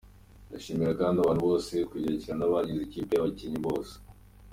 Ndashimira kandi abantu bose baje kubashyigikira n’abagize amakipe yakinnye bose.